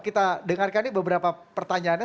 kita dengarkan beberapa pertanyaannya